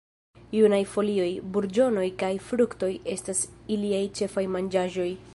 Junaj folioj, burĝonoj kaj fruktoj estas iliaj ĉefaj manĝaĵoj.